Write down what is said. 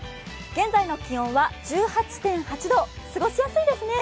現在の気温は１８．８度、過ごしやすいですね。